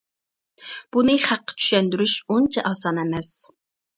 بۇنى خەققە چۈشەندۈرۈش ئۇنچە ئاسان ئەمەس.